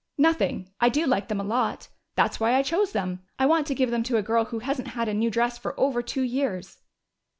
"Nothing. I do like them a lot. That's why I chose them. I want to give them to a girl who hasn't had a new dress for over two years."